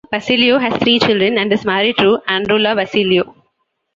Vassiliou has three children and is married to Androulla Vassiliou.